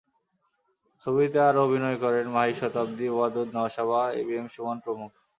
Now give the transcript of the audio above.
ছবিতে আরও অভিনয় করবেন মাহী, শতাব্দী ওয়াদুদ, নওশাবা, এবিএম সুমন প্রমুখ।